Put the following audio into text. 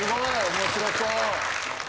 面白そう。